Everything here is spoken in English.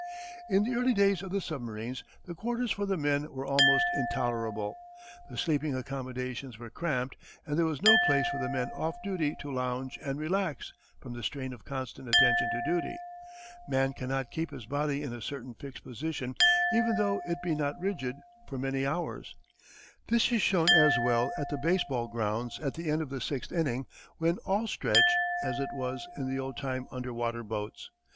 In the early days of the submarines the quarters for the men were almost intolerable. The sleeping accommodations were cramped and there was no place for the men off duty to lounge and relax from the strain of constant attention to duty. Man cannot keep his body in a certain fixed position even though it be not rigid, for many hours. This is shown as well at the base ball grounds at the end of the sixth inning when "all stretch" as it was in the old time underwater boats.